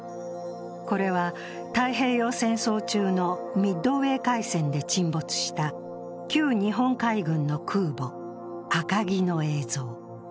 これは太平洋戦争中のミッドウェー海戦で沈没した旧日本海軍の空母「赤城」の映像。